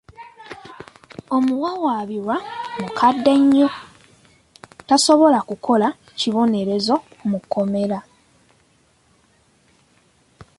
Omuwawaabirwa mukadde nnyo tasobola kukola kibonerezo mu kkomera.